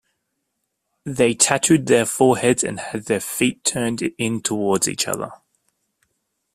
They tattooed their foreheads, and had their feet turned in towards each other.